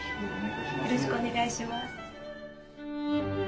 よろしくお願いします。